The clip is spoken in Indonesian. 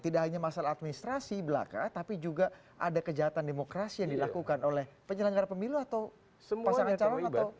tidak hanya masalah administrasi belaka tapi juga ada kejahatan demokrasi yang dilakukan oleh penyelenggara pemilu atau pasangan calon atau